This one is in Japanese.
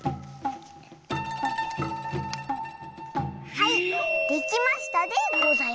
はいできましたでございます！